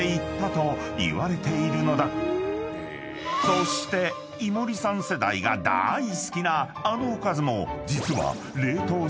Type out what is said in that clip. ［そして井森さん世代が大好きなあのおかずも］